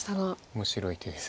面白い手です。